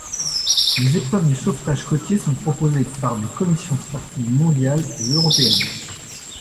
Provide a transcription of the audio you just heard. Les épreuves du sauvetage côtier sont proposées par des commissions sportives mondiales et européennes.